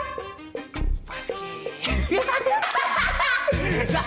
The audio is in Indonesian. gak bisa tidak